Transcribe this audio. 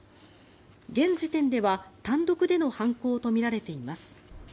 現時点では単独での犯行とみられています。